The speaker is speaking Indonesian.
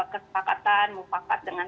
kesepakatan mufakat dengan